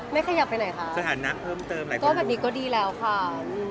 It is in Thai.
ไม่ขยับใช่ไหมคะ